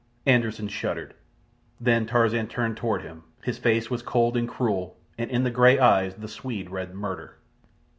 Anderssen shuddered. Then Tarzan turned toward him. His face was cold and cruel, and in the grey eyes the Swede read murder.